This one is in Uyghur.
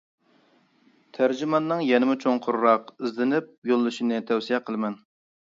تەرجىماننىڭ يەنىمۇ چوڭقۇرراق ئىزدىنىپ يوللىشىنى تەۋسىيە قىلىمەن.